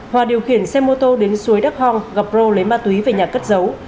hòa điều khiển xe mô tô đến suối đắk hòng gặp rô lấy ma túy về nhà cất giấu